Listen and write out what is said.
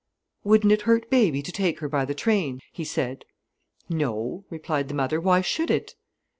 "Wouldn't it hurt baby to take her by the train?" he said. "No," replied the mother, "why should it?"